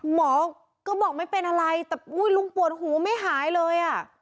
หมอก็บอกไม่เป็นอะไรแต่อุ้ยลุงปวดหูไม่หายเลยอ่ะ